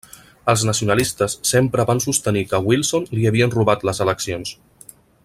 Els nacionalistes sempre van sostenir que a Wilson li havien robat les eleccions.